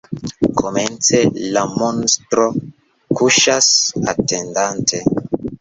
Komence, la monstro kuŝas atendante.